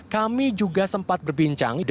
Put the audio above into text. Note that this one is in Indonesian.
kami juga sempat berbincang